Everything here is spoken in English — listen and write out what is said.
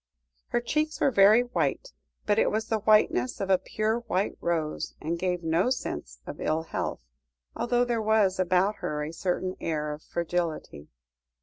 Her cheeks were very white, but it was the whiteness of a pure white rose, and gave one no sense of ill health, although there was about her a certain air of fragility.